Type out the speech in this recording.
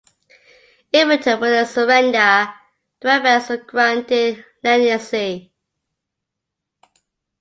In return for their surrender the rebels were granted leniency.